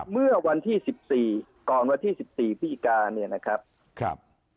เมื่อวันที่๑๔ก่อนวันที่๑๔พฤศจิกาเนี่ยนะครับ